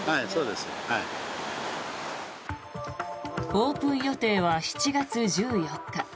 オープン予定は７月１４日。